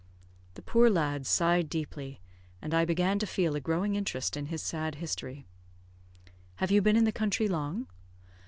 The poor lad signed deeply, and I began to feel a growing interest in his sad history. "Have you been in the country long?"